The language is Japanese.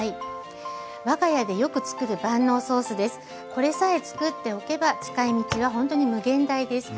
これさえつくっておけば使いみちはほんとに無限大です。